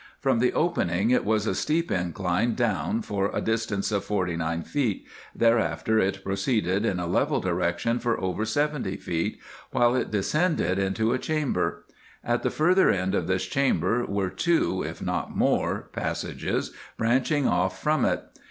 From the opening it was a steep incline down for a distance of 49 feet, thereafter it proceeded in a level direction for over 70 feet, when it descended into a chamber. At the further end of this chamber were two, if not more, passages branching off from it.